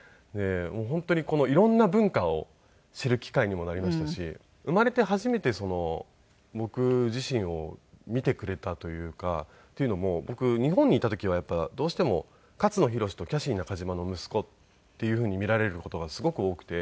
本当に色んな文化を知る機会にもなりましたし生まれて初めて僕自身を見てくれたというか。というのも僕日本にいた時はやっぱりどうしても勝野洋とキャシー中島の息子っていうふうに見られる事がすごく多くて。